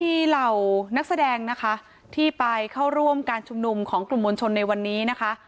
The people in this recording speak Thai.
มีเหล่านักแสดงนะคะที่ไปเข้าร่วมการชุมนุมของกลุ่มมวลชนในวันนี้นะคะ